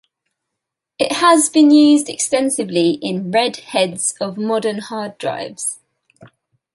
It has been used extensively in read heads of modern hard drives.